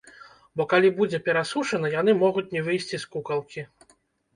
Бо калі будзе перасушана, яны могуць не выйсці з кукалкі.